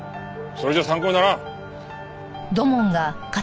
それじゃ参考にならん。